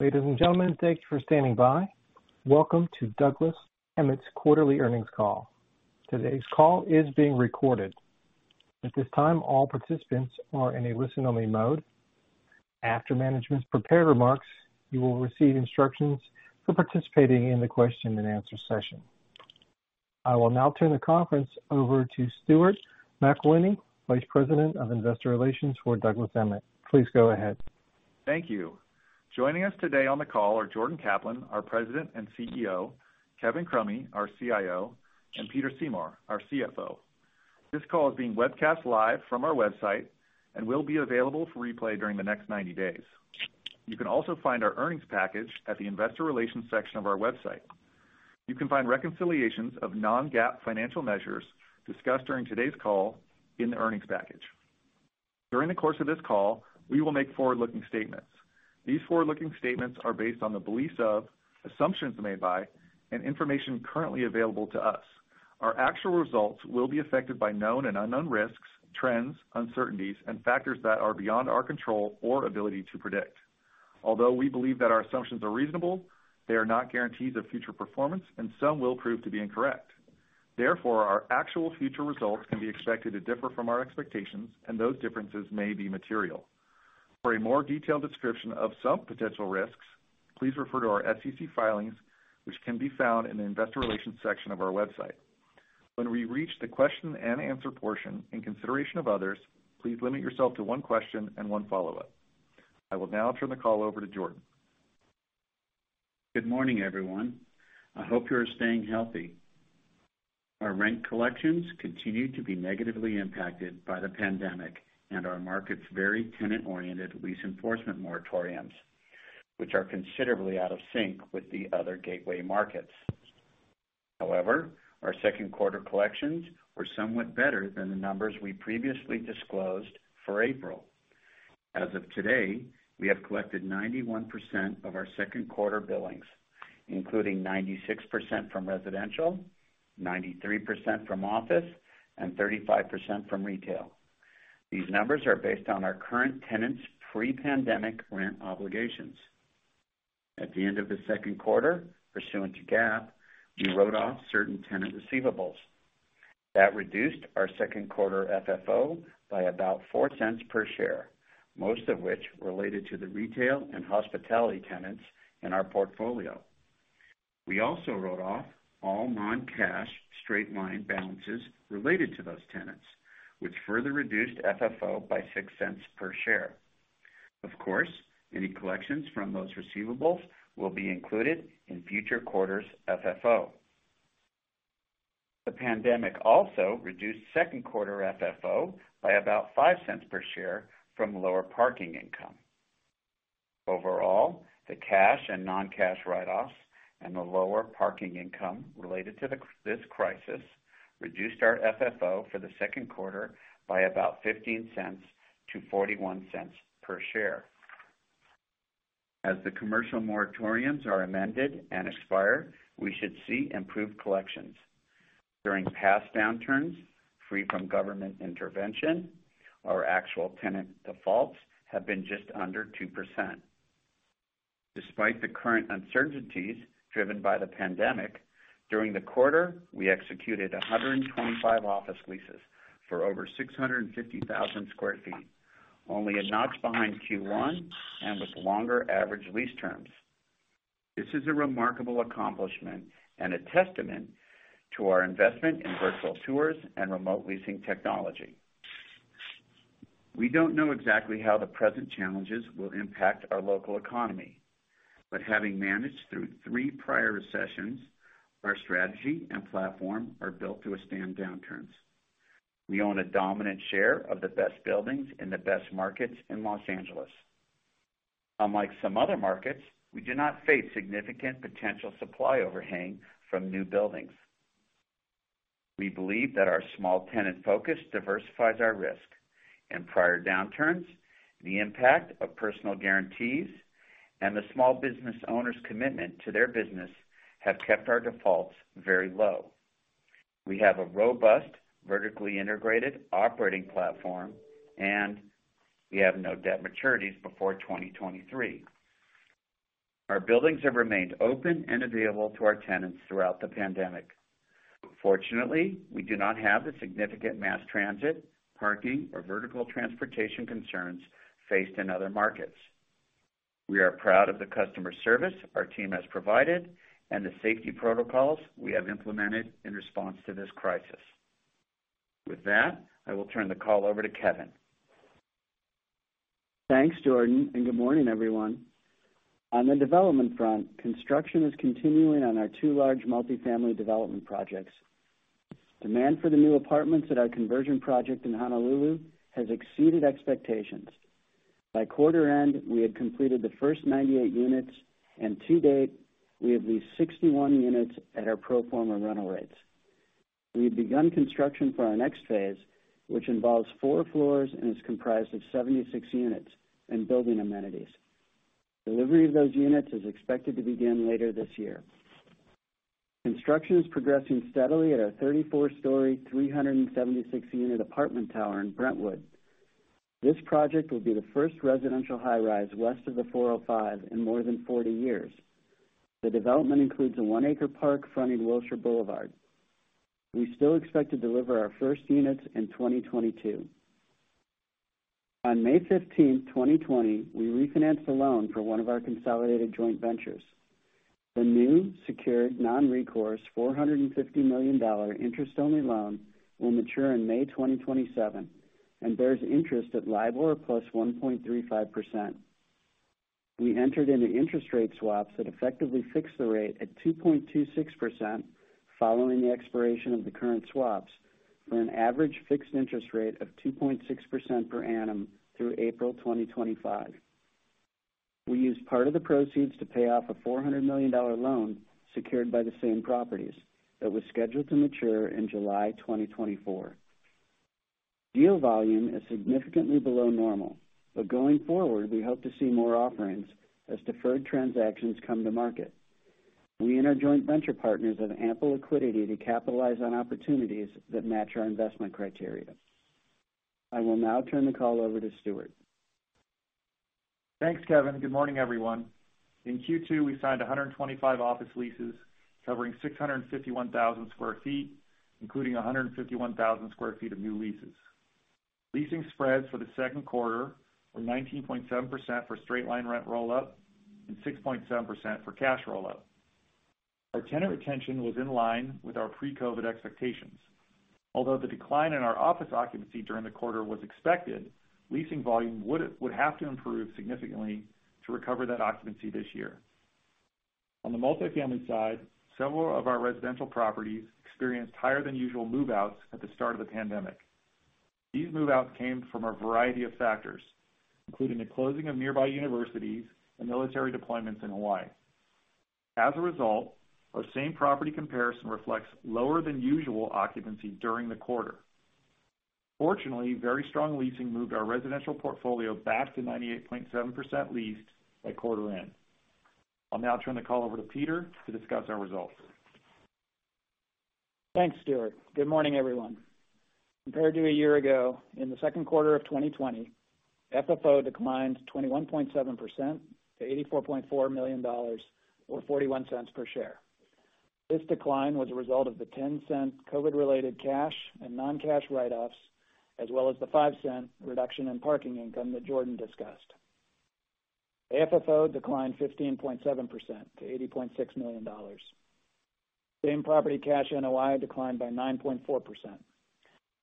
Ladies and gentlemen, thank you for standing by. Welcome to Douglas Emmett's Quarterly Earnings Call. Today's call is being recorded. At this time, all participants are in a listen-only mode. After management's prepared remarks, you will receive instructions for participating in the question and answer session. I will now turn the conference over to Stuart McElhinney, Vice President of Investor Relations for Douglas Emmett. Please go ahead. Thank you. Joining us today on the call are Jordan Kaplan, our President and CEO, Kevin Crummy, our CIO, and Peter Seymour, our CFO. This call is being webcast live from our website, and will be available for replay during the next 90 days. You can also find our earnings package at the investor relations section of our website. You can find reconciliations of non-GAAP financial measures discussed during today's call in the earnings package. During the course of this call, we will make forward-looking statements. These forward-looking statements are based on the beliefs of, assumptions made by, and information currently available to us. Our actual results will be affected by known and unknown risks, trends, uncertainties, and factors that are beyond our control or ability to predict. Although we believe that our assumptions are reasonable, they are not guarantees of future performance and some will prove to be incorrect. Therefore, our actual future results can be expected to differ from our expectations, and those differences may be material. For a more detailed description of some potential risks, please refer to our SEC filings, which can be found in the investor relations section of our website. When we reach the question and answer portion, in consideration of others, please limit yourself to one question and one follow-up. I will now turn the call over to Jordan. Good morning, everyone. I hope you are staying healthy. Our rent collections continue to be negatively impacted by the pandemic and our market's very tenant-oriented lease enforcement moratoriums, which are considerably out of sync with the other gateway markets. Our second quarter collections were somewhat better than the numbers we previously disclosed for April. As of today, we have collected 91% of our second quarter billings, including 96% from residential, 93% from office, and 35% from retail. These numbers are based on our current tenants' pre-pandemic rent obligations. At the end of the second quarter, pursuant to GAAP, we wrote off certain tenant receivables. That reduced our second quarter FFO by about $0.04 per share, most of which related to the retail and hospitality tenants in our portfolio. We also wrote off all non-cash straight-line balances related to those tenants, which further reduced FFO by $0.06 per share. Of course, any collections from those receivables will be included in future quarters' FFO. The pandemic also reduced second quarter FFO by about $0.05 per share from lower parking income. Overall, the cash and non-cash write-offs and the lower parking income related to this crisis reduced our FFO for the second quarter by about $0.15-$0.41 per share. As the commercial moratoriums are amended and expire, we should see improved collections. During past downturns, free from government intervention, our actual tenant defaults have been just under 2%. Despite the current uncertainties driven by the pandemic, during the quarter, we executed 125 office leases for over 650,000 sq ft, only a notch behind Q1 and with longer average lease terms. This is a remarkable accomplishment and a testament to our investment in virtual tours and remote leasing technology. We don't know exactly how the present challenges will impact our local economy, but having managed through three prior recessions, our strategy and platform are built to withstand downturns. We own a dominant share of the best buildings in the best markets in Los Angeles. Unlike some other markets, we do not face significant potential supply overhang from new buildings. We believe that our small tenant focus diversifies our risk. In prior downturns, the impact of personal guarantees and the small business owner's commitment to their business have kept our defaults very low. We have a robust, vertically integrated operating platform, and we have no debt maturities before 2023. Our buildings have remained open and available to our tenants throughout the pandemic. Fortunately, we do not have the significant mass transit, parking, or vertical transportation concerns faced in other markets. We are proud of the customer service our team has provided and the safety protocols we have implemented in response to this crisis. With that, I will turn the call over to Kevin. Thanks, Jordan. Good morning, everyone. On the development front, construction is continuing on our two large multifamily development projects. Demand for the new apartments at our conversion project in Honolulu has exceeded expectations. By quarter end, we had completed the first 98 units, and to date, we have leased 61 units at our pro forma rental rates. We have begun construction for our next phase, which involves four floors and is comprised of 76 units and building amenities. Delivery of those units is expected to begin later this year. Construction is progressing steadily at our 34-story, 376-unit apartment tower in Brentwood. This project will be the first residential high-rise west of the 405 in more than 40 years. The development includes a one-acre park fronting Wilshire Boulevard. We still expect to deliver our first units in 2022. On May 15, 2020, we refinanced the loan for one of our consolidated joint ventures. The new secured non-recourse $450 million interest-only loan will mature in May 2027 and bears interest at LIBOR plus 1.35%. We entered into interest rate swaps that effectively fix the rate at 2.26% following the expiration of the current swaps for an average fixed interest rate of 2.6% per annum through April 2025. We used part of the proceeds to pay off a $400 million loan secured by the same properties that was scheduled to mature in July 2024. Deal volume is significantly below normal, but going forward, we hope to see more offerings as deferred transactions come to market. We and our joint venture partners have ample liquidity to capitalize on opportunities that match our investment criteria. I will now turn the call over to Stuart. Thanks, Kevin. Good morning, everyone. In Q2, we signed 125 office leases covering 651,000 sq ft, including 151,000 sq ft of new leases. Leasing spreads for the second quarter were 19.7% for straight-line rent rollout and 6.7% for cash rollout. Our tenant retention was in line with our pre-COVID expectations. Although the decline in our office occupancy during the quarter was expected, leasing volume would have to improve significantly to recover that occupancy this year. On the multifamily side, several of our residential properties experienced higher than usual move-outs at the start of the pandemic. These move-outs came from a variety of factors, including the closing of nearby universities and military deployments in Hawaii. As a result, our same property comparison reflects lower than usual occupancy during the quarter. Fortunately, very strong leasing moved our residential portfolio back to 98.7% leased by quarter end. I'll now turn the call over to Peter to discuss our results. Thanks, Stuart. Good morning, everyone. Compared to a year ago, in the second quarter of 2020, FFO declined 21.7% to $84.4 million or $0.41 per share. This decline was a result of the $0.10 COVID related cash and non-cash write-offs, as well as the $0.05 reduction in parking income that Jordan discussed. AFFO declined 15.7% to $80.6 million. Same property cash NOI declined by 9.4%.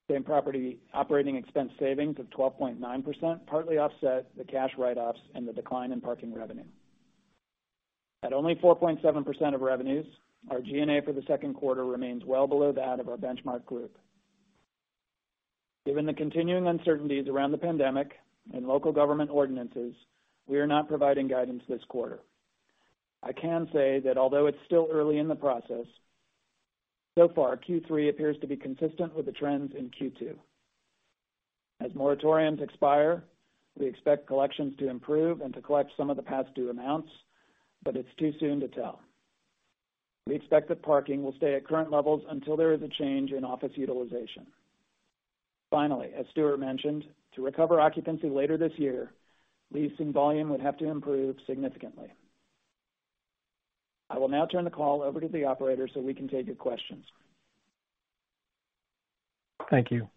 Same property operating expense savings of 12.9% partly offset the cash write-offs and the decline in parking revenue. At only 4.7% of revenues, our G&A for the second quarter remains well below that of our benchmark group. Given the continuing uncertainties around the pandemic and local government ordinances, we are not providing guidance this quarter. I can say that although it's still early in the process, so far, Q3 appears to be consistent with the trends in Q2. As moratoriums expire, we expect collections to improve and to collect some of the past due amounts, but it's too soon to tell. We expect that parking will stay at current levels until there is a change in office utilization. Finally, as Stuart mentioned, to recover occupancy later this year, leasing volume would have to improve significantly. I will now turn the call over to the operator so we can take your questions. Thank you.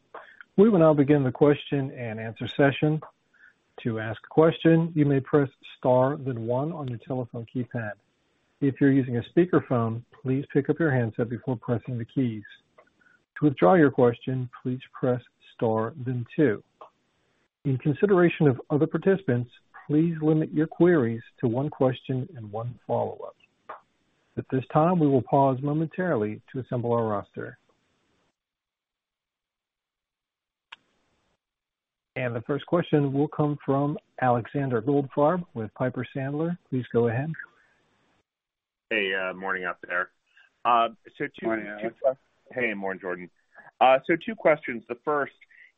We will now begin the question and answer session. To ask a question, you may press star then one on your telephone keypad. If you're using a speakerphone, please pick up your handset before pressing the keys. To withdraw your question, please press star then two. In consideration of other participants, please limit your queries to one question and one follow-up. At this time, we will pause momentarily to assemble our roster. The first question will come from Alexander Goldfarb with Piper Sandler. Please go ahead. Hey, morning out there. Morning. Morning, Jordan. Two questions. The first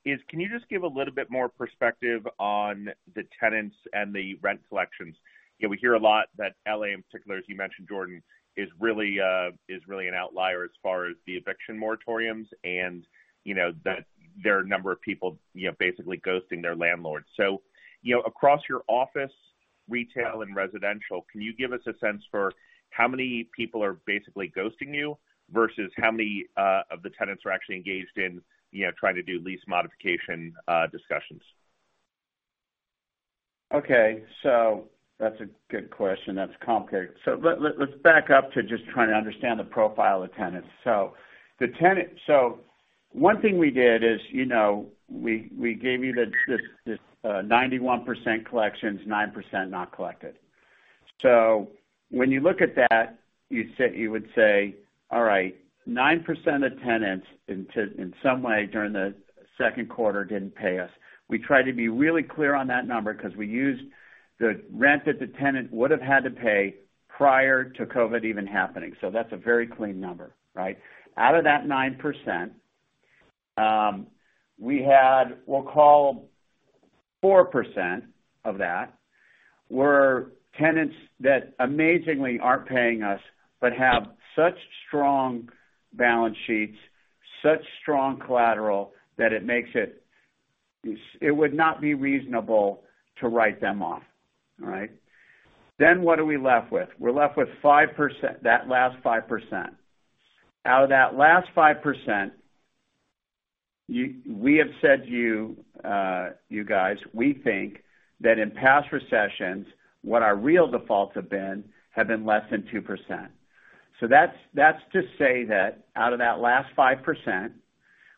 is, can you just give a little bit more perspective on the tenants and the rent collections? We hear a lot that L.A. in particular, as you mentioned, Jordan, is really an outlier as far as the eviction moratoriums and that there are a number of people basically ghosting their landlords. Across your office, retail, and residential, can you give us a sense for how many people are basically ghosting you versus how many of the tenants are actually engaged in trying to do lease modification discussions? Okay. That's a good question. That's complicated. Let's back up to just trying to understand the profile of tenants. One thing we did is we gave you this 91% collections, 9% not collected. When you look at that, you would say, all right, 9% of tenants in some way during the second quarter didn't pay us. We try to be really clear on that number because we used the rent that the tenant would have had to pay prior to COVID even happening. That's a very clean number, right? Out of that 9%. We'll call 4% of that were tenants that amazingly aren't paying us, but have such strong balance sheets, such strong collateral, that it would not be reasonable to write them off. What are we left with? We're left with that last 5%. Out of that last 5%, we have said, you guys, we think that in past recessions, what our real defaults have been, have been less than 2%. That's to say that out of that last 5%,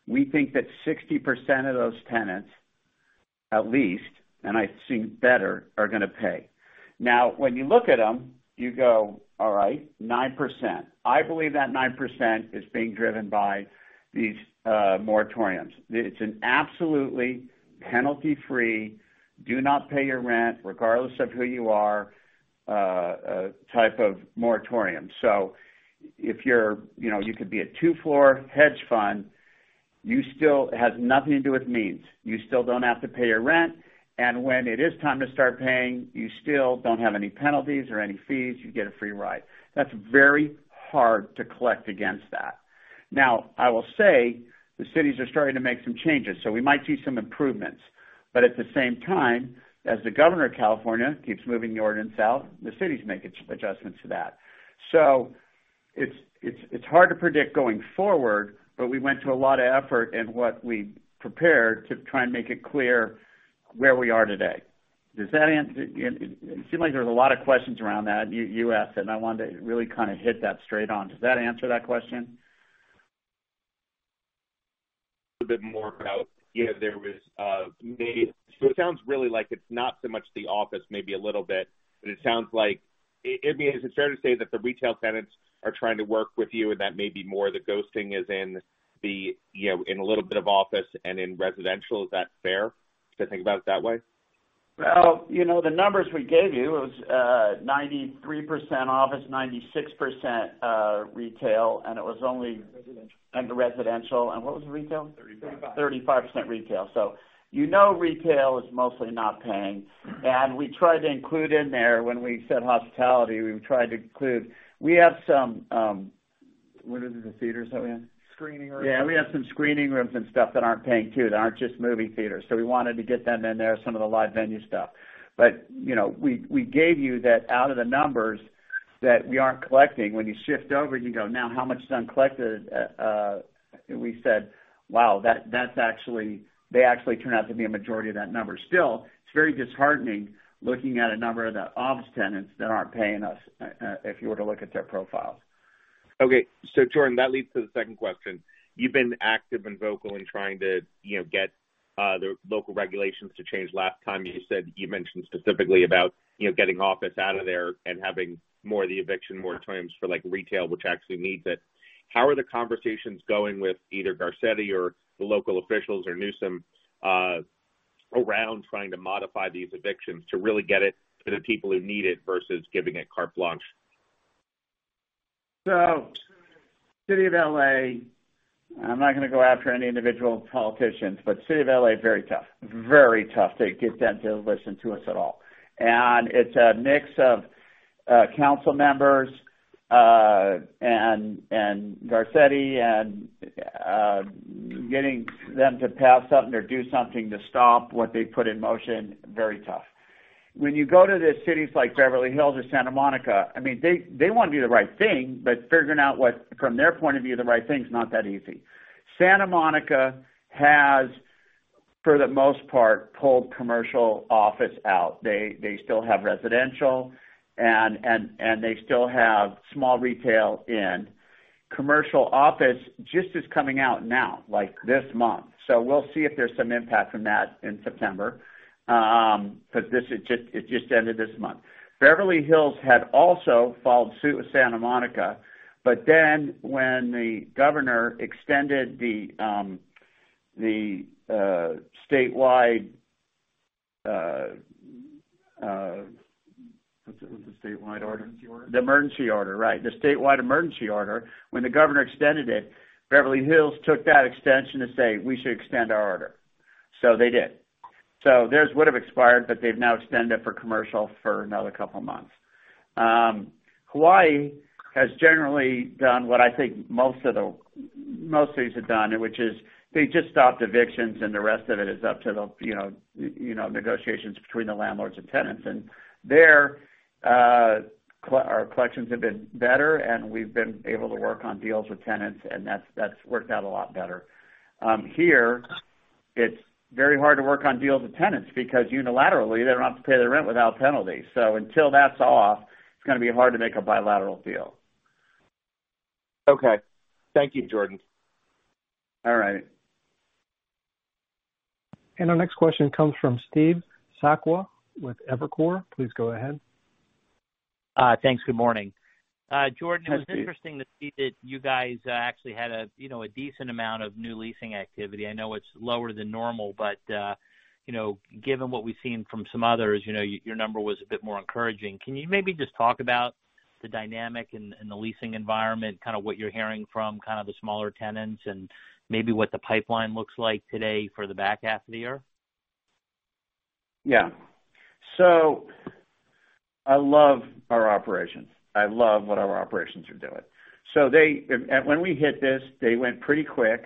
we think that 60% of those tenants, at least, and I think better, are going to pay. When you look at them, you go, "All right, 9%." I believe that 9% is being driven by these moratoriums. It's an absolutely penalty-free, do not pay your rent, regardless of who you are, type of moratorium. You could be a two-floor hedge fund. It has nothing to do with means. You still don't have to pay your rent, and when it is time to start paying, you still don't have any penalties or any fees. You get a free ride. That's very hard to collect against that. I will say, the cities are starting to make some changes, so we might see some improvements. At the same time, as the governor of California keeps moving north and south, the cities make adjustments to that. It's hard to predict going forward, but we went to a lot of effort in what we prepared to try and make it clear where we are today. It seemed like there's a lot of questions around that. You asked, and I wanted to really hit that straight on. Does that answer that question? A bit more about, there was made. It sounds really like it's not so much the office, maybe a little bit, but it sounds like, I mean, is it fair to say that the retail tenants are trying to work with you and that may be more of the ghosting is in a little bit of office and in residential. Is that fair to think about it that way? Well, the numbers we gave you, it was 93% office, 96% retail, residential. The residential. What was the retail? 35% retail. You know retail is mostly not paying, and we tried to include in there, when we said hospitality. We have some, what are the theaters that we have? Screening rooms. Yeah, we have some screening rooms and stuff that aren't paying too, that aren't just movie theaters. We wanted to get them in there, some of the live venue stuff. We gave you that out of the numbers that we aren't collecting. When you shift over and you go, now how much is uncollected? We said, "Wow, they actually turn out to be a majority of that number." Still, it's very disheartening looking at a number of the office tenants that aren't paying us, if you were to look at their profiles. Okay. Jordan, that leads to the second question. You've been active and vocal in trying to get the local regulations to change. Last time, you mentioned specifically about getting office out of there and having more of the eviction moratoriums for retail, which actually needs it. How are the conversations going with either Garcetti or the local officials or Newsom, around trying to modify these evictions to really get it to the people who need it versus giving it carte blanche? City of L.A., I'm not going to go after any individual politicians, but City of L.A., very tough. Very tough to get them to listen to us at all. It's a mix of council members, and Garcetti, and getting them to pass something or do something to stop what they put in motion, very tough. When you go to the cities like Beverly Hills or Santa Monica, I mean, they want to do the right thing, but figuring out what, from their point of view, the right thing is not that easy. Santa Monica has, for the most part, pulled commercial office out. They still have residential, and they still have small retail in. Commercial office just is coming out now, like this month. We'll see if there's some impact from that in September, but it just ended this month. Beverly Hills had also followed suit with Santa Monica, but then when the governor extended the statewide What's the statewide order? Emergency order. The emergency order, right. The statewide emergency order, when the governor extended it, Beverly Hills took that extension to say, "We should extend our order." They did. Theirs would've expired, but they've now extended it for commercial for another couple of months. Hawaii has generally done what I think most states have done, which is they just stopped evictions, and the rest of it is up to the negotiations between the landlords and tenants. There, our collections have been better, and we've been able to work on deals with tenants, and that's worked out a lot better. Here, it's very hard to work on deals with tenants because unilaterally, they don't have to pay their rent without penalty. Until that's off, it's going to be hard to make a bilateral deal. Okay. Thank you, Jordan. All right. Our next question comes from Steve Sakwa with Evercore. Please go ahead. Thanks. Good morning. Hi, Steve. Jordan, it was interesting to see that you guys actually had a decent amount of new leasing activity. I know it's lower than normal. Given what we've seen from some others, your number was a bit more encouraging. Can you maybe just talk about the dynamic and the leasing environment, kind of what you're hearing from kind of the smaller tenants and maybe what the pipeline looks like today for the back half of the year? Yeah. I love our operations. I love what our operations are doing. When we hit this, they went pretty quick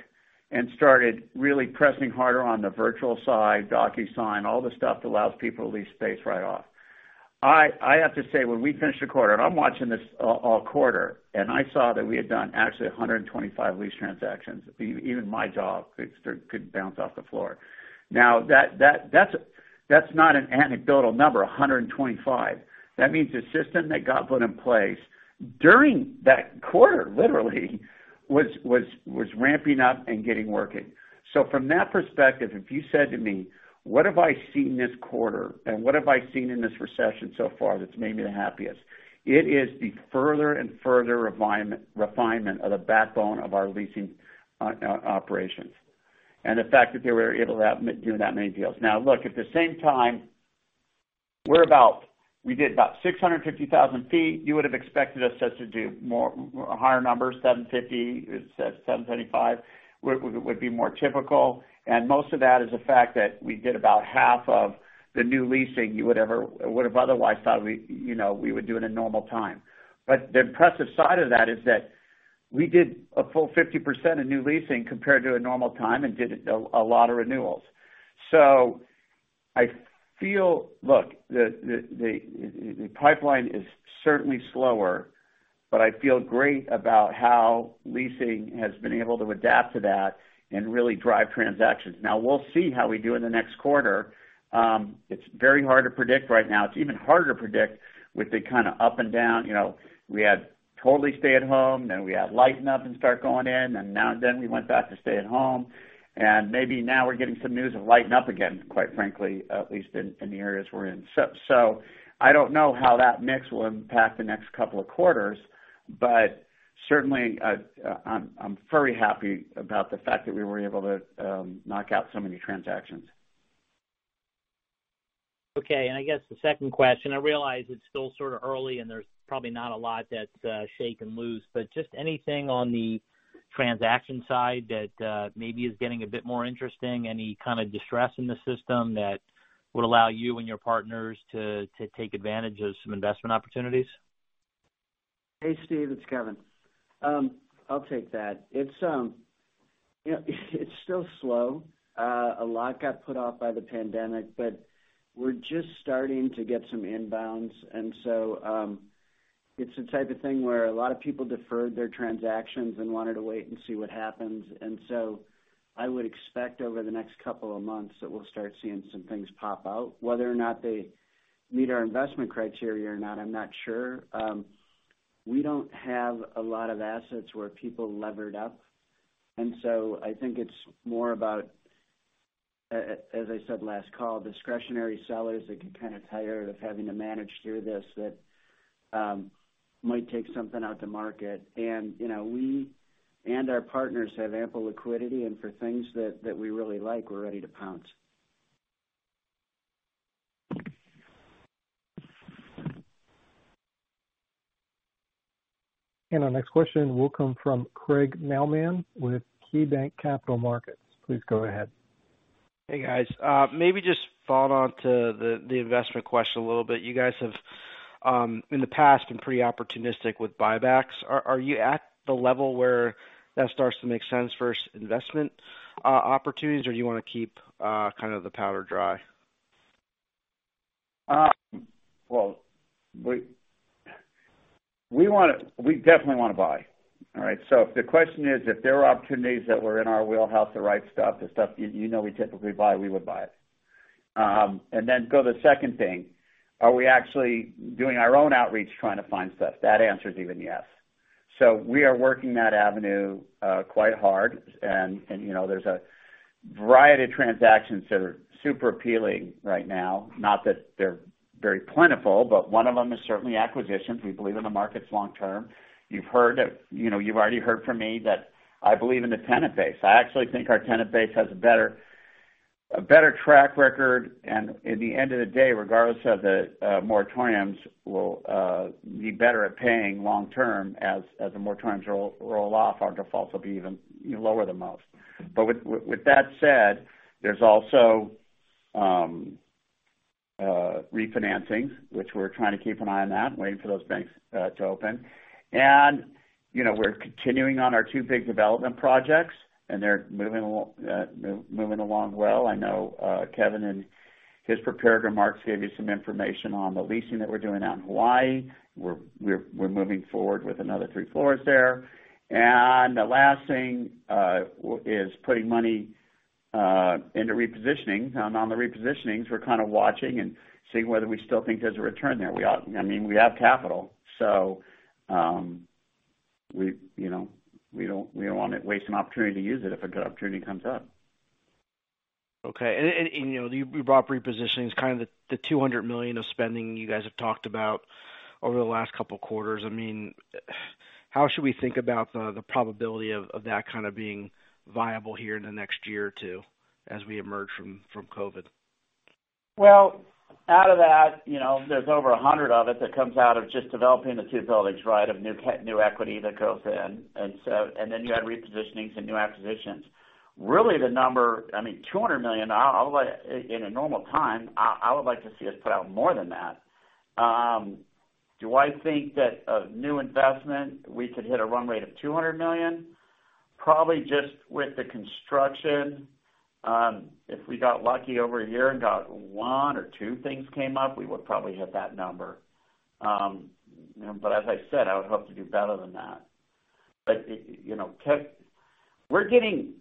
and started really pressing harder on the virtual side, DocuSign, all the stuff that allows people to lease space right off. I have to say, when we finished the quarter, and I'm watching this all quarter, and I saw that we had done actually 125 lease transactions. Even my jaw could bounce off the floor. Now that's not an anecdotal number, 125. That means the system they got put in place during that quarter, literally, was ramping up and getting working. From that perspective, if you said to me, what have I seen this quarter and what have I seen in this recession so far that's made me the happiest? It is the further and further refinement of the backbone of our leasing operations, and the fact that they were able to do that many deals. Now, look, at the same time, we did about 650,000 feet. You would've expected us just to do more, a higher number, 750, 775 would be more typical. Most of that is the fact that we did about half of the new leasing you would have otherwise thought we would do in a normal time. The impressive side of that is that we did a full 50% of new leasing compared to a normal time and did a lot of renewals. Look, the pipeline is certainly slower, but I feel great about how leasing has been able to adapt to that and really drive transactions. Now we'll see how we do in the next quarter. It's very hard to predict right now. It's even harder to predict with the kind of up and down. We had totally stay at home. We had lighten up and start going in, and now then we went back to stay at home, and maybe now we're getting some news of lighten up again, quite frankly, at least in the areas we're in. I don't know how that mix will impact the next couple of quarters, but certainly, I'm very happy about the fact that we were able to knock out so many transactions. Okay. I guess the second question, I realize it's still sort of early and there's probably not a lot that's shaken loose, but just anything on the transaction side that maybe is getting a bit more interesting. Any kind of distress in the system that would allow you and your partners to take advantage of some investment opportunities? Hey, Steve, it's Kevin. I'll take that. It's still slow. A lot got put off by the pandemic, but we're just starting to get some inbounds. It's the type of thing where a lot of people deferred their transactions and wanted to wait and see what happens. I would expect over the next couple of months that we'll start seeing some things pop out. Whether or not they meet our investment criteria or not, I'm not sure. We don't have a lot of assets where people levered up, and so I think it's more about, as I said last call, discretionary sellers that get kind of tired of having to manage through this, that might take something out to market. Our partners have ample liquidity, and for things that we really like, we're ready to pounce. Our next question will come from Craig Mailman with KeyBanc Capital Markets. Please go ahead. Hey, guys. Maybe just follow on to the investment question a little bit. You guys have, in the past, been pretty opportunistic with buybacks. Are you at the level where that starts to make sense for investment opportunities, or do you want to keep kind of the powder dry? Well, we definitely want to buy. All right? If the question is if there are opportunities that were in our wheelhouse, the right stuff, the stuff you know we typically buy, we would buy it. Then go to the second thing. Are we actually doing our own outreach, trying to find stuff? That answer is even yes. We are working that avenue quite hard, and there's a variety of transactions that are super appealing right now. Not that they're very plentiful, but one of them is certainly acquisitions. We believe in the markets long term. You've already heard from me that I believe in the tenant base. I actually think our tenant base has a better track record, and in the end of the day, regardless of the moratoriums, will be better at paying long term. As the moratoriums roll off, our defaults will be even lower than most. With that said, there's also refinancing, which we're trying to keep an eye on that and waiting for those banks to open. We're continuing on our two big development projects, and they're moving along well. I know Kevin and his prepared remarks gave you some information on the leasing that we're doing out in Hawaii. We're moving forward with another three floors there. The last thing is putting money into repositioning. On the repositionings, we're kind of watching and seeing whether we still think there's a return there. We have capital, so we don't want to waste an opportunity to use it if a good opportunity comes up. Okay. You brought repositionings, kind of the $200 million of spending you guys have talked about over the last couple of quarters. I mean, how should we think about the probability of that kind of being viable here in the next year or two as we emerge from COVID? Well, out of that, there's over 100 of it that comes out of just developing the two buildings, of new equity that goes in. Then you add repositionings and new acquisitions. Really, the number, $200 million, in a normal time, I would like to see us put out more than that. Do I think that a new investment, we could hit a run rate of $200 million? Probably just with the construction. If we got lucky over a year and got one or two things came up, we would probably hit that number. As I said, I would hope to do better than that. We're getting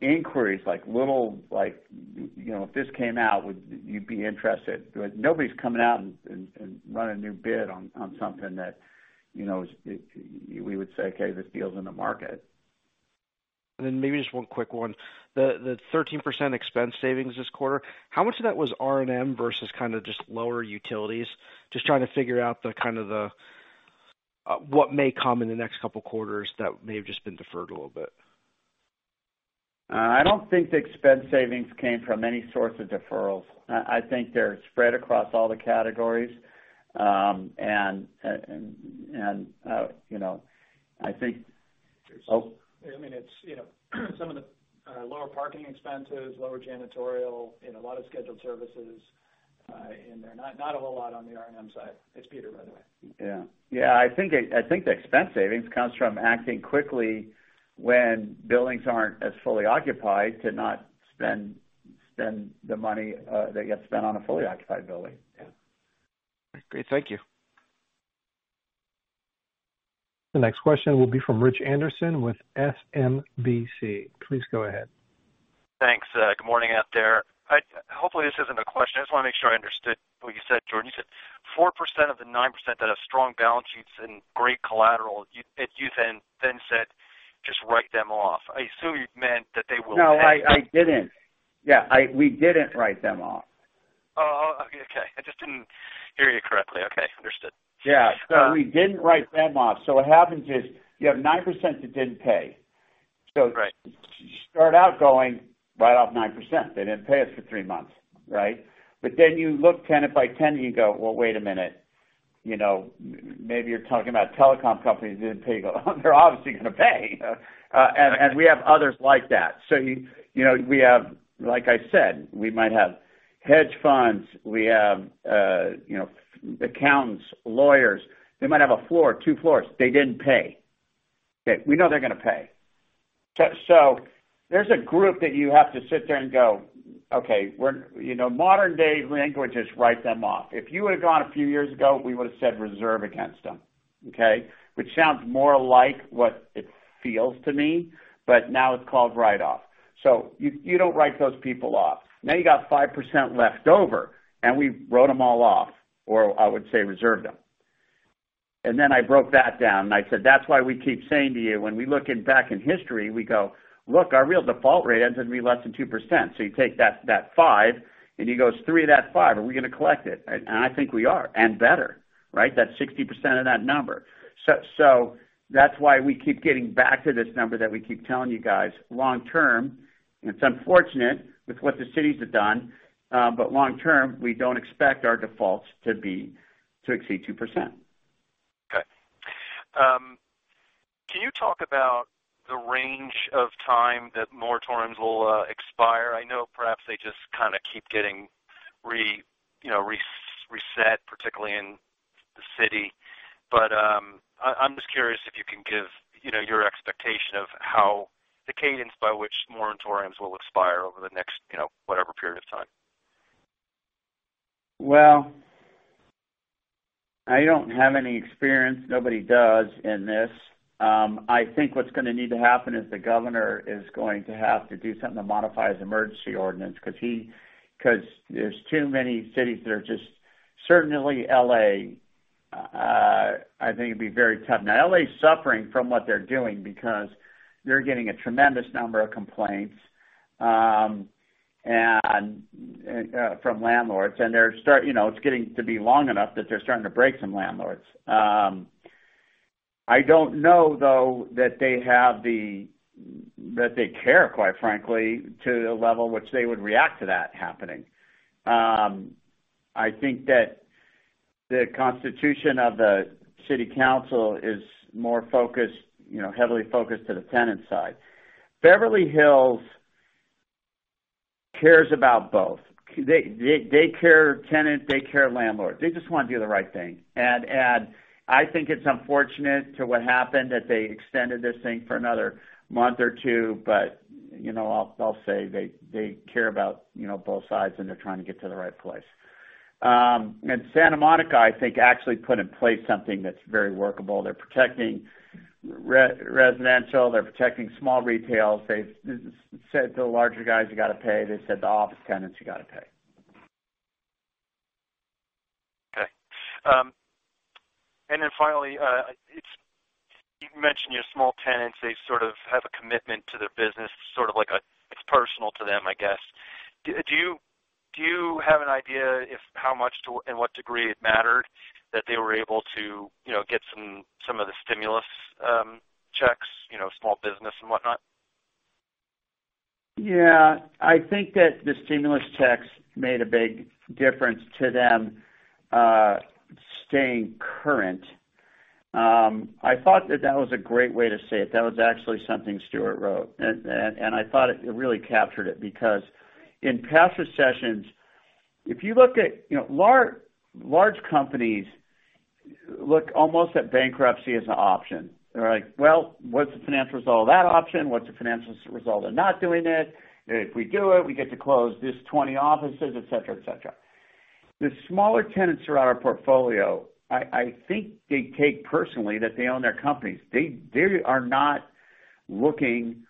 inquiries, like if this came out, would you be interested? Nobody's coming out and run a new bid on something that we would say, "Okay, this deal's in the market. Then maybe just one quick one. The 13% expense savings this quarter, how much of that was R&M versus kind of just lower utilities? Just trying to figure out what may come in the next couple of quarters that may have just been deferred a little bit. I don't think the expense savings came from any source of deferrals. I think they're spread across all the categories. I mean, it's some of the lower parking expenses, lower janitorial, and a lot of scheduled services in there. Not a whole lot on the R&M side. It's Peter, by the way. Yeah. I think the expense savings comes from acting quickly when buildings aren't as fully occupied to not spend the money that gets spent on a fully occupied building. Yeah. Great. Thank you. The next question will be from Rich Anderson with SMBC. Please go ahead. Thanks. Good morning out there. Hopefully, this isn't a question. I just want to make sure I understood what you said, Jordan. You said 4% of the 9% that have strong balance sheets and great collateral, you then said, "Just write them off." I assume you meant that they will pay? No, I didn't. Yeah, we didn't write them off. Oh, okay. I just didn't hear you correctly. Okay, understood. Yeah. We didn't write them off. What happens is you have 9% that didn't pay. Right. You start out going, write off 9%. They didn't pay us for three months. You look tenant by tenant and you go, "Well, wait a minute." Maybe you're talking about telecom companies that didn't pay. You go, "They're obviously going to pay." We have others like that. We have, like I said, we might have hedge funds, we have accountants, lawyers. They might have a floor, two floors. They didn't pay. We know they're going to pay. There's a group that you have to sit there and go, okay, modern-day language is write them off. If you would've gone a few years ago, we would've said reserve against them. Which sounds more like what it feels to me, but now it's called write off. You don't write those people off. You got 5% left over, and we wrote them all off, or I would say reserved them. I broke that down, and I said, "That's why we keep saying to you, when we're looking back in history, we go, look, our real default rate ends up being less than 2%." You take that five, and he goes, "Three of that five, are we going to collect it?" I think we are, and better. That's 60% of that number. That's why we keep getting back to this number that we keep telling you guys long-term. It's unfortunate with what the cities have done. Long-term, we don't expect our defaults to exceed 2%. Okay. Can you talk about the range of time that moratoriums will expire? I know perhaps they just kind of keep getting reset, particularly in the city. I'm just curious if you can give your expectation of how the cadence by which moratoriums will expire over the next whatever period of time. I don't have any experience. Nobody does in this. I think what's going to need to happen is the governor is going to have to do something to modify his emergency ordinance, because there's too many cities that are Certainly L.A., I think it'd be very tough. L.A. is suffering from what they're doing because they're getting a tremendous number of complaints from landlords, and it's getting to be long enough that they're starting to break some landlords. I don't know, though, that they care, quite frankly, to the level which they would react to that happening. I think that the constitution of the city council is more heavily focused to the tenant side. Beverly Hills cares about both. They care tenant, they care landlord. They just want to do the right thing. I think it's unfortunate to what happened that they extended this thing for another month or two, but I'll say they care about both sides, and they're trying to get to the right place. Santa Monica, I think, actually put in place something that's very workable. They're protecting residential. They're protecting small retail. They've said to the larger guys, "You got to pay." They said to office tenants, "You got to pay. Okay. Then finally, you've mentioned your small tenants, they sort of have a commitment to their business, sort of like personal to them, I guess. Do you have an idea if how much to, and what degree it mattered that they were able to get some of the stimulus checks, small business and whatnot? Yeah. I think that the stimulus checks made a big difference to them staying current. I thought that that was a great way to say it. That was actually something Stuart wrote, and I thought it really captured it. In past recessions, if you looked at large companies look almost at bankruptcy as an option. They're like, "Well, what's the financial result of that option?" What's the financial result of not doing it? If we do it, we get to close this 20 offices, et cetera. The smaller tenants who are our portfolio, I think they take personally that they own their companies. They are not looking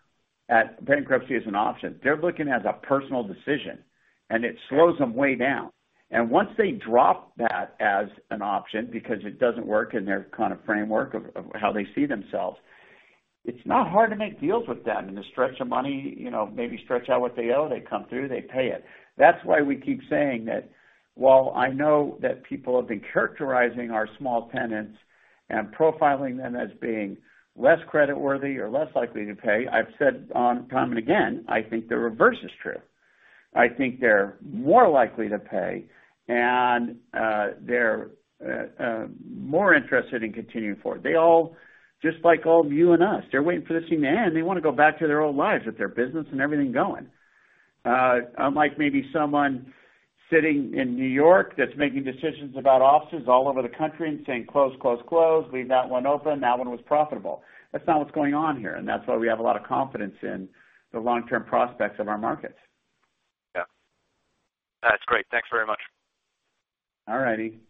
at bankruptcy as an option. They're looking as a personal decision, and it slows them way down. Once they drop that as an option because it doesn't work in their kind of framework of how they see themselves, it's not hard to make deals with them and to stretch their money, maybe stretch out what they owe. They come through, they pay it. That's why we keep saying that while I know that people have been characterizing our small tenants and profiling them as being less credit worthy or less likely to pay, I've said time and again, I think the reverse is true. I think they're more likely to pay, and they're more interested in continuing forward. They all, just like all you and us, they're waiting for this thing to end. They want to go back to their old lives with their business and everything going. Unlike maybe someone sitting in New York that's making decisions about offices all over the country and saying, "Close." Leave that one open. That one was profitable. That's not what's going on here, and that's why we have a lot of confidence in the long-term prospects of our markets. Yeah. That's great. Thanks very much. All righty.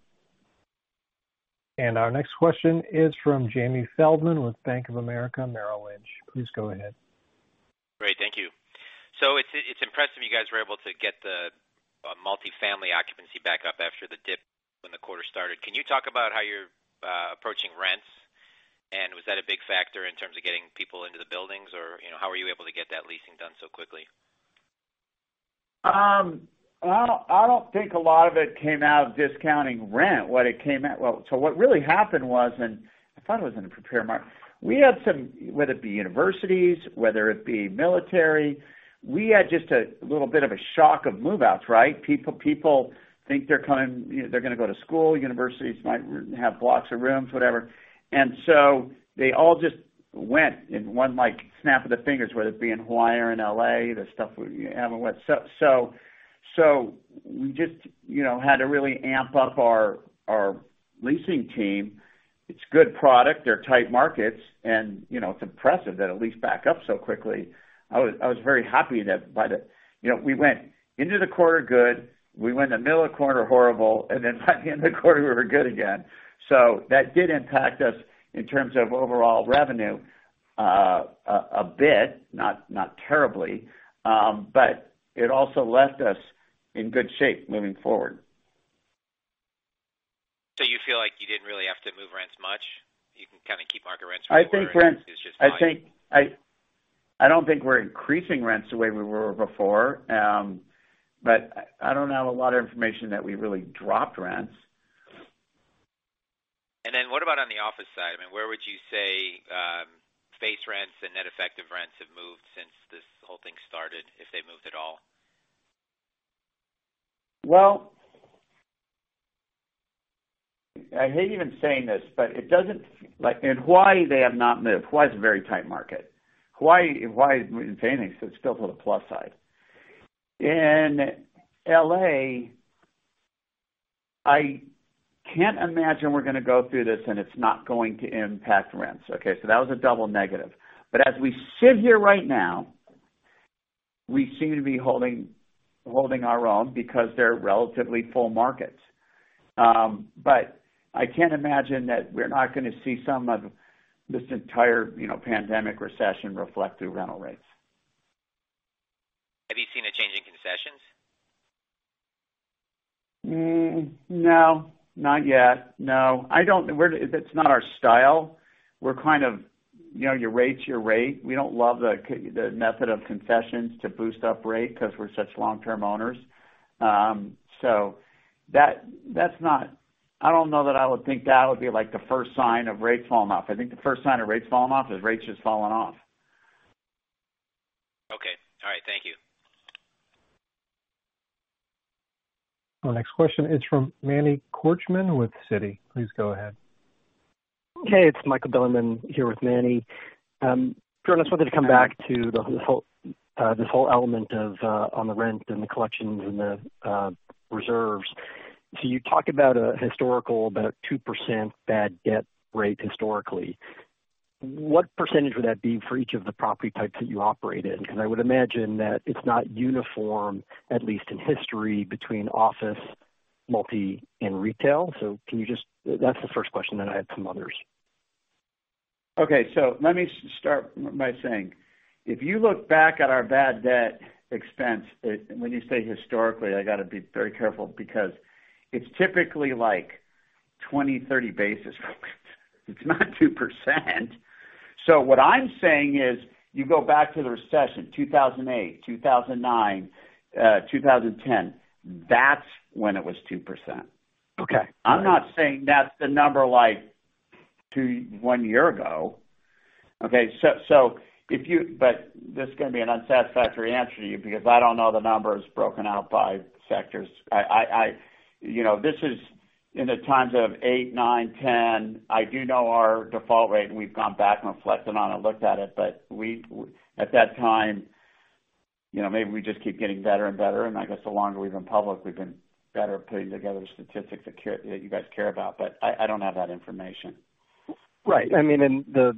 Our next question is from Jamie Feldman with Bank of America Merrill Lynch. Please go ahead. Great. Thank you. It's impressive you guys were able to get the multifamily occupancy back up after the dip when the quarter started. Can you talk about how you're approaching rents, and was that a big factor in terms of getting people into the buildings or how were you able to get that leasing done so quickly? I don't think a lot of it came out of discounting rent. What it came out well, what really happened was, and I thought it was in the prepared mark. We had some, whether it be universities, whether it be military, we had just a little bit of a shock of move-outs, right? People think they're gonna go to school, universities might have blocks of rooms, whatever. They all just went in one like snap of the fingers, whether it be in Hawaii or in L.A., the stuff we have. We just had to really amp up our leasing team. It's good product. They're tight markets, and it's impressive that it leased back up so quickly. I was very happy that We went into the quarter good, we went in the middle of the quarter horrible, and then by the end of the quarter, we were good again. That did impact us in terms of overall revenue, a bit, not terribly. It also left us in good shape moving forward. You feel like you didn't really have to move rents much. You can kind of keep market rents where it is. It's just volume. I don't think we're increasing rents the way we were before. I don't have a lot of information that we really dropped rents. What about on the office side? I mean, where would you say, base rents and net effective rents have moved since this whole thing started, if they've moved at all? Well, I hate even saying this, but it doesn't like in Hawaii, they have not moved. Hawaii's a very tight market. Hawaii, if Hawaii moves anything, it's still to the plus side. In L.A., I can't imagine we're gonna go through this and it's not going to impact rents. Okay? That was a double negative. As we sit here right now, we seem to be holding our own because they're relatively full markets. I can't imagine that we're not gonna see some of this entire pandemic recession reflect through rental rates. Have you seen a change in concessions? No. Not yet. No. It's not our style. We're kind of our rate's our rate. We don't love the method of concessions to boost up rate because we're such long-term owners. I don't know that I would think that would be like the first sign of rates falling off. I think the first sign of rates falling off is rates just falling off. Okay. All right. Thank you. Our next question is from Manny Korchman with Citi. Please go ahead. Hey, it's Michael Bilerman here with Manny. Jordan, I just wanted to come back to this whole element of, on the rent and the collections and the reserves. You talk about a historical, about 2% bad debt rate historically. What percentage would that be for each of the property types that you operate in? I would imagine that it's not uniform, at least in history, between office, multi, and retail. That's the first question, I have some others. Okay. Let me start by saying, if you look back at our bad debt expense, when you say historically, I got to be very careful because it's typically like 20, 30 basis points. It's not 2%. What I'm saying is, you go back to the recession, 2008, 2009, 2010, that's when it was 2%. Okay. I'm not saying that's the number like one year ago. Okay. This is going to be an unsatisfactory answer to you because I don't know the numbers broken out by sectors. In the times of 2008, 2009, 2010, I do know our default rate, and we've gone back and reflected on it, looked at it. At that time, maybe we just keep getting better and better, and I guess the longer we've been public, we've been better at putting together statistics that you guys care about. I don't have that information. Right. The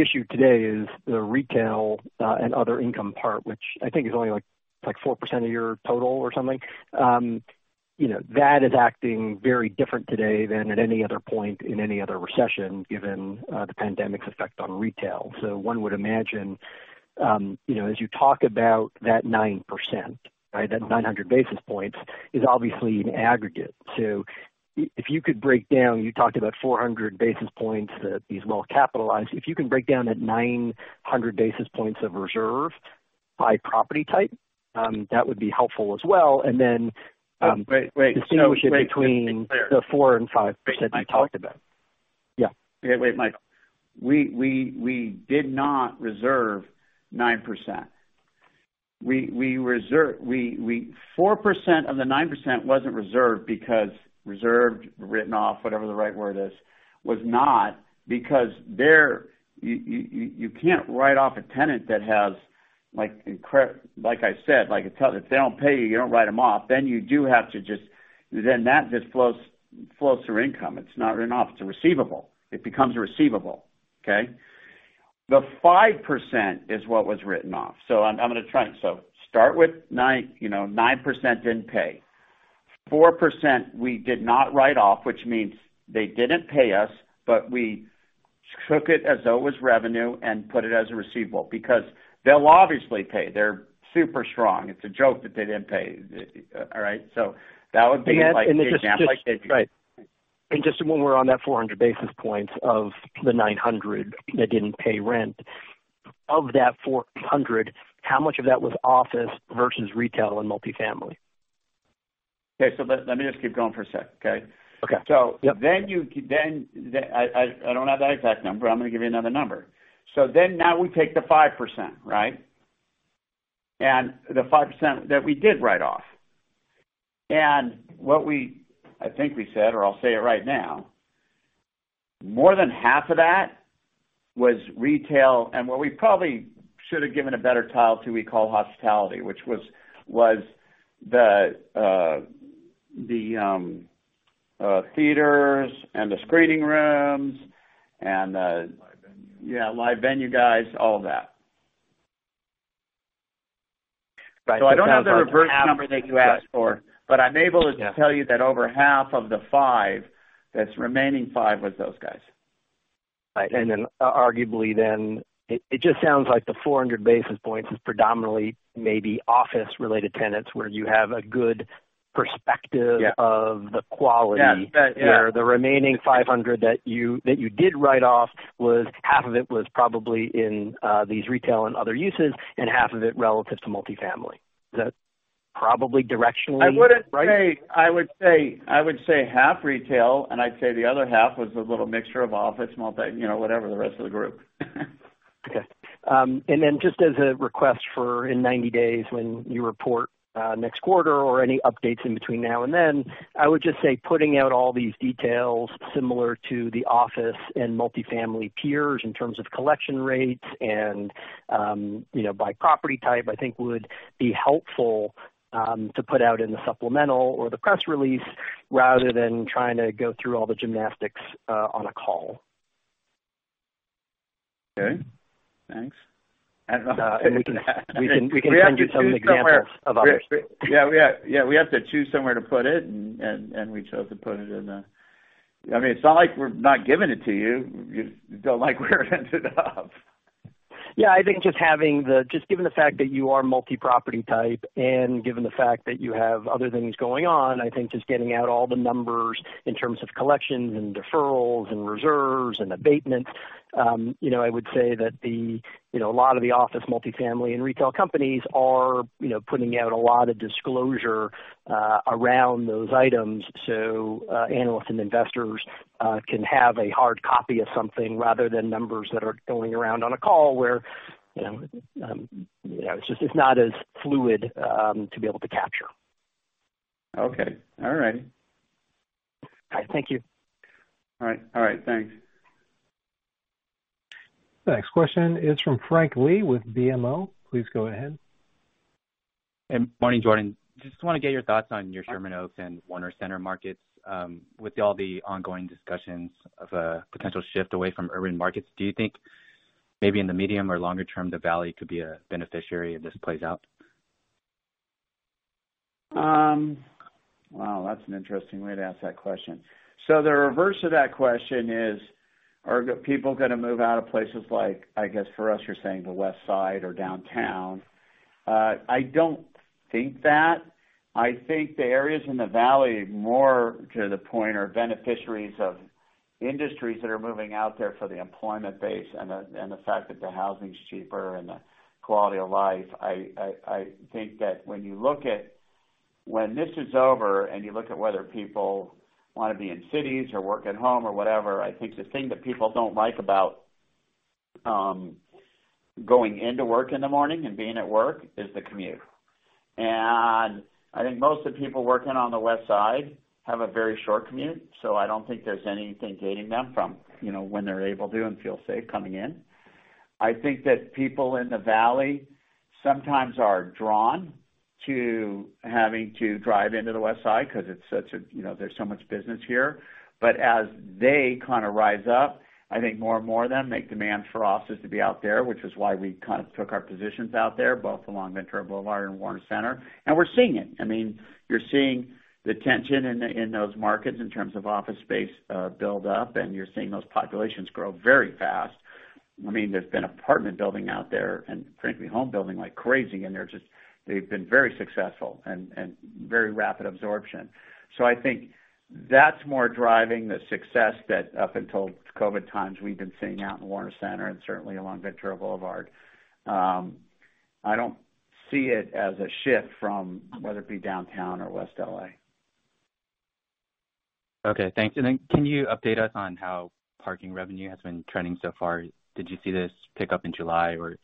issue today is the retail and other income part, which I think is only like 4% of your total or something. That is acting very different today than at any other point in any other recession, given the pandemic's effect on retail. One would imagine, as you talk about that 9%, that 900 basis points is obviously an aggregate. If you could break down, you talked about 400 basis points that these well-capitalized. If you can break down that 900 basis points of reserve by property type, that would be helpful as well. Wait. Distinguish it between the 4% and 5% you talked about. Yeah. Wait, Michael. We did not reserve 9%. 4% of the 9% wasn't reserved because reserved, written off, whatever the right word is, was not because you can't write off a tenant that has, like I said, if they don't pay you don't write them off. That just flows through income. It's not written off. It's a receivable. It becomes a receivable. Okay. The 5% is what was written off. I'm going to try. Start with 9% didn't pay. 4% we did not write off, which means they didn't pay us, but we took it as though it was revenue and put it as a receivable because they'll obviously pay. They're super strong. It's a joke that they didn't pay. All right. That would be an example like. Right. Just when we're on that 400 basis points of the 900 that didn't pay rent. Of that 400, how much of that was office versus retail and multifamily? Okay. let me just keep going for a sec, okay? Okay. Yep. I don't have that exact number. I'm going to give you another number. Now we take the 5%, right? The 5% that we did write off. What I think we said, or I'll say it right now, more than half of that was retail, and what we probably should have given a better title to, we call hospitality, which was the theaters and the screening rooms and the live venue guys, all that. Right. I don't have the reverse number that you asked for, but I'm able to tell you that over half of the five, that remaining five was those guys. Right. Arguably then, it just sounds like the 400 basis points is predominantly maybe office-related tenants where you have a good perspective of the quality. Yeah. Where the remaining 500 that you did write off, half of it was probably in these retail and other uses, and half of it relative to multifamily. Is that probably directionally right? I would say half retail, and I'd say the other half was a little mixture of office, multifamily, whatever, the rest of the group. Okay. just as a request for in 90 days when you report next quarter or any updates in between now and then, I would just say putting out all these details similar to the office and multifamily peers in terms of collection rates and by property type, I think would be helpful to put out in the supplemental or the press release rather than trying to go through all the gymnastics on a call. Okay. Thanks. I don't know. We can send you some examples of ours. Yeah. We have to choose somewhere to put it, and we chose to put it in the It's not like we're not giving it to you. You don't like where it ended up. Yeah. I think just given the fact that you are multi-property type and given the fact that you have other things going on, I think just getting out all the numbers in terms of collections and deferrals and reserves and abatements. I would say that a lot of the office multifamily and retail companies are putting out a lot of disclosure around those items, so analysts and investors can have a hard copy of something rather than numbers that are going around on a call where it's not as fluid to be able to capture. Okay. All right. All right. Thank you. All right. Thanks. The next question is from Frank Lee with BMO. Please go ahead. Morning, Jordan. Just want to get your thoughts on your Sherman Oaks and Warner Center markets. With all the ongoing discussions of a potential shift away from urban markets, do you think maybe in the medium or longer term, the valley could be a beneficiary if this plays out? Wow, that's an interesting way to ask that question. The reverse of that question is Are people going to move out of places like, I guess for us, you're saying the Westside or downtown? I don't think that. I think the areas in the Valley, more to the point, are beneficiaries of industries that are moving out there for the employment base and the fact that the housing's cheaper and the quality of life. I think that when this is over and you look at whether people want to be in cities or work at home or whatever, I think the thing that people don't like about going into work in the morning and being at work is the commute. I think most of the people working on the Westside have a very short commute. I don't think there's anything gating them from when they're able to and feel safe coming in. I think that people in the Valley sometimes are drawn to having to drive into the Westside because there's so much business here. As they kind of rise up, I think more and more of them make demands for offices to be out there, which is why we kind of took our positions out there, both along Ventura Boulevard and Warner Center. We're seeing it. You're seeing the tension in those markets in terms of office space build up, and you're seeing those populations grow very fast. There's been apartment building out there and frankly, home building like crazy, and they've been very successful and very rapid absorption. think that's more driving the success that up until COVID times, we've been seeing out in Warner Center and certainly along Ventura Boulevard. I don't see it as a shift from whether it be downtown or West L.A. Okay, thanks. Can you update us on how parking revenue has been trending so far? Did you see this pick up in July, or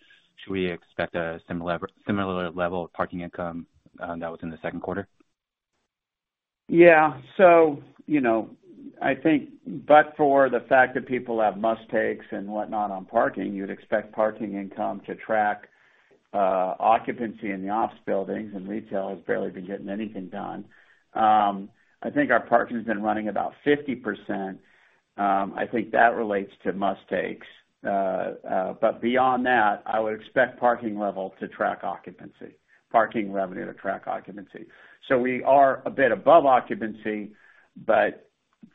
should we expect a similar level of parking income that was in the second quarter? Yeah. I think, but for the fact that people have must-takes and whatnot on parking, you'd expect parking income to track occupancy in the office buildings, and retail has barely been getting anything done. I think our parking's been running about 50%. I think that relates to must-takes. Beyond that, I would expect parking revenue to track occupancy. We are a bit above occupancy, but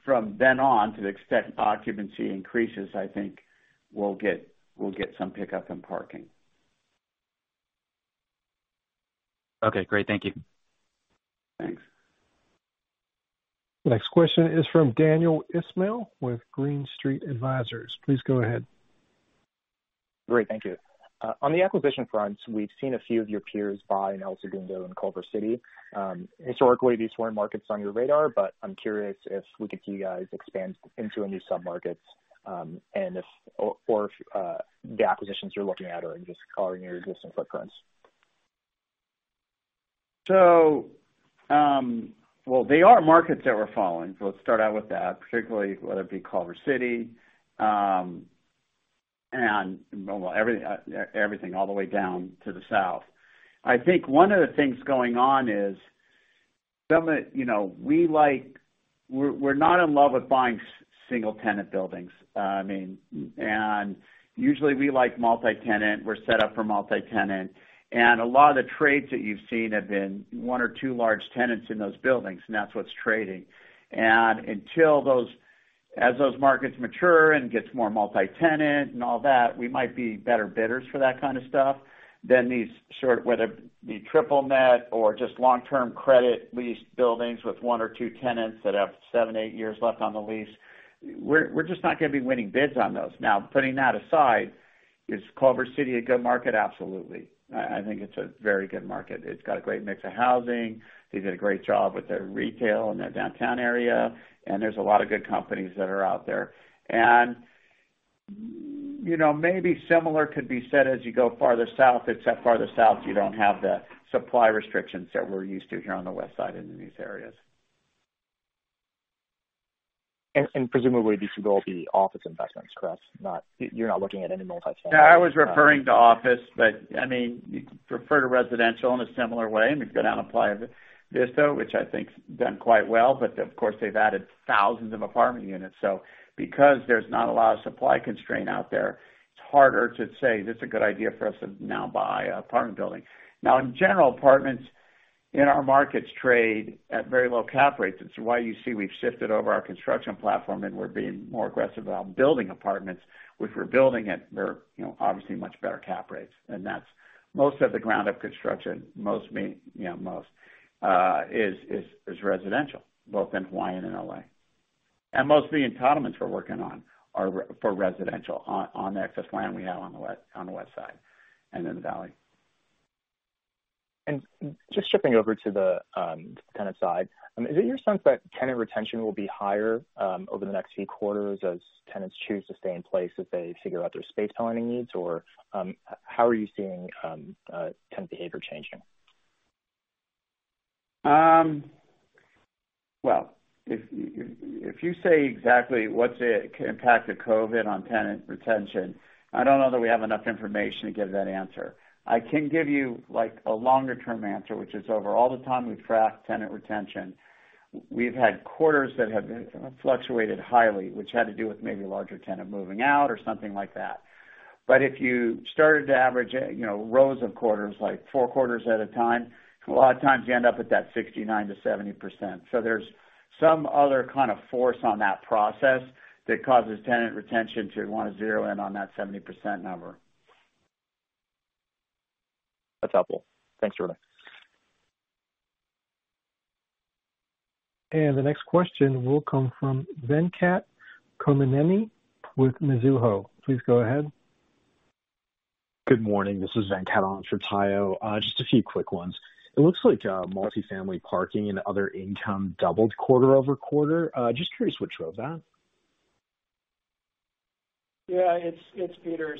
from then on, to the extent occupancy increases, I think we'll get some pickup in parking. Okay, great. Thank you. Thanks. Next question is from Daniel Ismail with Green Street Advisors. Please go ahead. Great. Thank you. On the acquisition front, we've seen a few of your peers buy in El Segundo and Culver City. Historically, these weren't markets on your radar, but I'm curious if we could see you guys expand into a new sub-markets, or if the acquisitions you're looking at are just covering your existing footprints. Well, they are markets that we're following. let's start out with that, particularly whether it be Culver City, and everything all the way down to the south. I think one of the things going on is we're not in love with buying single-tenant buildings. usually we like multi-tenant. We're set up for multi-tenant. A lot of the trades that you've seen have been one or two large tenants in those buildings, and that's what's trading. As those markets mature and gets more multi-tenant and all that, we might be better bidders for that kind of stuff than these, whether it be triple net or just long-term credit leased buildings with one or two tenants that have seven, eight years left on the lease. We're just not going to be winning bids on those. Now, putting that aside, is Culver City a good market? Absolutely. I think it's a very good market. It's got a great mix of housing. They did a great job with their retail in their downtown area, and there's a lot of good companies that are out there. maybe similar could be said as you go farther south, except farther south, you don't have the supply restrictions that we're used to here on the Westside and in these areas. Presumably, these would all be office investments, correct? You're not looking at any multifamily- Yeah, I was referring to office, but you could refer to residential in a similar way, and we've got down in Playa Vista, which I think's done quite well, but of course, they've added thousands of apartment units. Because there's not a lot of supply constraint out there, it's harder to say, "This a good idea for us to now buy apartment building." Now in general, apartments in our markets trade at very low cap rates. That's why you see we've shifted over our construction platform, and we're being more aggressive about building apartments, which we're building at obviously much better cap rates. Most of the ground-up construction is residential, both in Hawaiian and L.A. Most of the entitlements we're working on are for residential on the excess land we have on the Westside and in the Valley. Just shifting over to the tenant side, is it your sense that tenant retention will be higher over the next few quarters as tenants choose to stay in place as they figure out their space planning needs? How are you seeing tenant behavior changing? Well, if you say exactly what's the impact of COVID on tenant retention, I don't know that we have enough information to give that answer. I can give you a longer-term answer, which is over all the time we've tracked tenant retention, we've had quarters that have fluctuated highly, which had to do with maybe a larger tenant moving out or something like that. If you started to average rows of quarters, like four quarters at a time, a lot of times you end up with that 69%-70%. There's some other kind of force on that process that causes tenant retention to want to zero in on that 70% number. That's helpful. Thanks, everybody. The next question will come from Venkat Kommineni with Mizuho. Please go ahead. Good morning. This is Venkat on for Tayo. Just a few quick ones. It looks like multifamily parking and other income doubled quarter-over-quarter. Just curious what drove that. Yeah, it's Peter.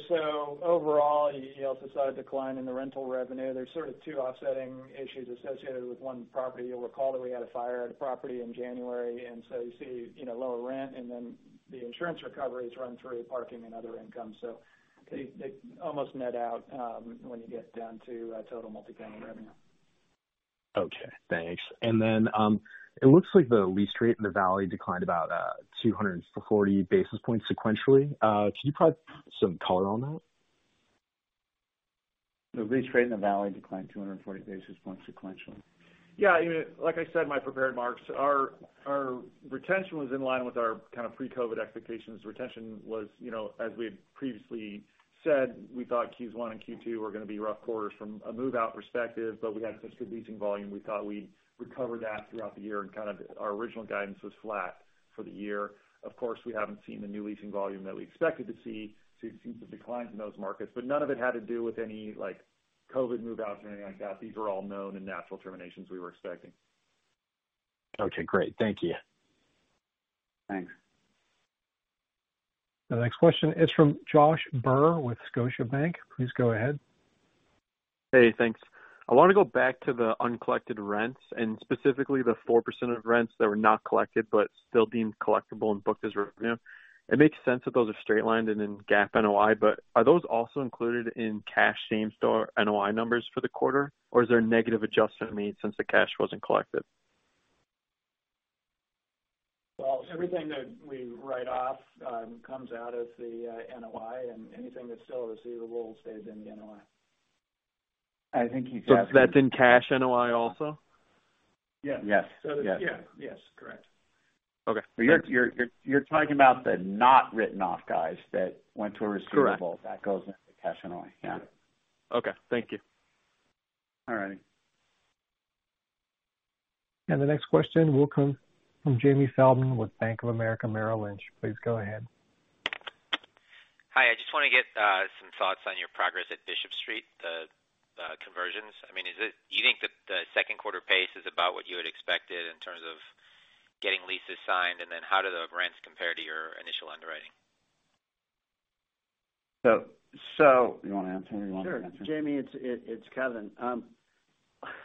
Overall, you also saw a decline in the rental revenue. There's sort of two offsetting issues associated with one property. You'll recall that we had a fire at a property in January, and so you see lower rent, and then the insurance recoveries run through parking and other income. They almost net out when you get down to total multifamily revenue. Okay, thanks. It looks like the lease rate in the Valley declined about 240 basis points sequentially. Can you provide some color on that? The lease rate in the Valley declined 240 basis points sequentially. Yeah. Like I said in my prepared remarks, our retention was in line with our pre-COVID expectations. Retention was, as we had previously said, we thought Q1 and Q2 were going to be rough quarters from a move-out perspective, but we had some good leasing volume. We thought we'd recover that throughout the year, and kind of our original guidance was flat for the year. Of course, we haven't seen the new leasing volume that we expected to see since the declines in those markets. None of it had to do with any COVID move-outs or anything like that. These were all known and natural terminations we were expecting. Okay, great. Thank you. Thanks. The next question is from Josh Burr with Scotiabank. Please go ahead. Hey, thanks. I want to go back to the uncollected rents and specifically the 4% of rents that were not collected but still deemed collectible and booked as revenue. It makes sense that those are straight-lined and in GAAP NOI, but are those also included in cash same store NOI numbers for the quarter, or is there a negative adjustment made since the cash wasn't collected? Well, everything that we write off comes out of the NOI, and anything that's still a receivable stays in the NOI. I think he's asking. That's in cash NOI also? Yeah. Yes. Yeah. Yes, correct. Okay. You're talking about the not written off, guys, that went to a receivable. Correct. That goes into cash NOI. Yeah. Okay. Thank you. All right. The next question will come from Jamie Feldman with Bank of America Merrill Lynch. Please go ahead. Hi. I just want to get some thoughts on your progress at Bishop Street, the conversions. Do you think that the second quarter pace is about what you had expected in terms of getting leases signed, and then how do the rents compare to your initial underwriting? You want to answer, or you want me to answer? Sure. Jamie, it's Kevin.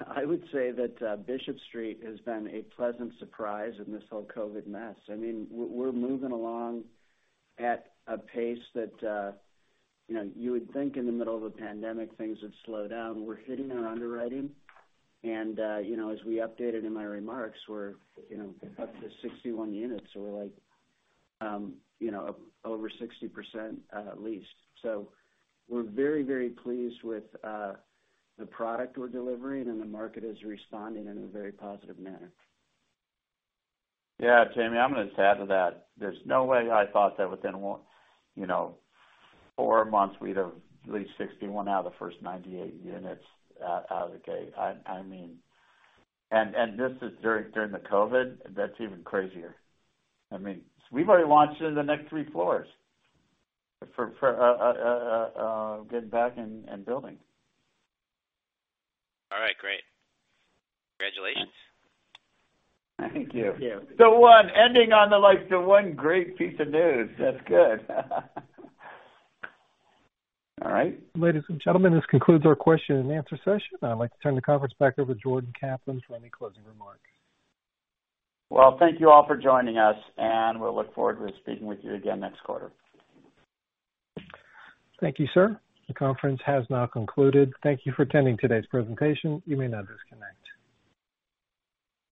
I would say that Bishop Street has been a pleasant surprise in this whole COVID mess. We're moving along at a pace that you would think in the middle of a pandemic, things would slow down. We're hitting our underwriting and as we updated in my remarks, we're up to 61 units. We're over 60% leased. We're very, very pleased with the product we're delivering, and the market is responding in a very positive manner. Yeah. Jamie, I'm going to add to that. There's no way I thought that within four months we'd have leased 61 out of the first 98 units out of the gate. This is during the COVID. That's even crazier. We've already launched into the next three floors for getting back and building. All right, great. Congratulations. Thank you. Thank you. One ending on the one great piece of news. That's good. All right. Ladies and gentlemen, this concludes our question and answer session. I'd like to turn the conference back over to Jordan Kaplan for any closing remarks. Well, thank you all for joining us, and we'll look forward to speaking with you again next quarter. Thank you, sir. The conference has now concluded. Thank you for attending today's presentation. You may now disconnect.